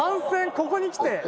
ここにきて。